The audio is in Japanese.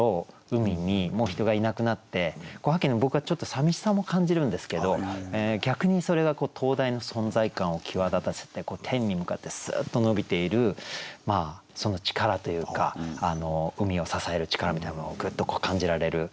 海にもう人がいなくなって秋の僕はちょっと寂しさも感じるんですけど逆にそれが灯台の存在感を際立たせて天に向かってスッと伸びているその力というか海を支える力みたいなものをグッと感じられる。